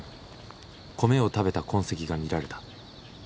米を食べた痕跡が見られた。